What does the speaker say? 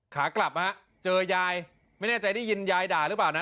ขากลับฮะเจอยายไม่แน่ใจได้ยินยายด่าหรือเปล่านะ